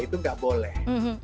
itu nggak boleh